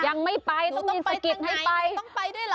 ยังไม่ไปต้องยินศักดิ์กิจให้ไป